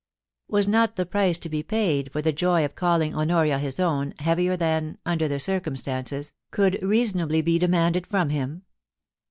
Was not the price to be paid for the joy of calling Honoria his own, heavier than, under the circumstances, could reason ably be demanded from him